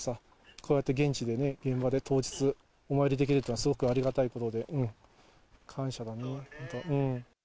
こうやって現地でね、現場で電話で当日、お参りできるっていうのはありがたいことで、感謝だね、本当。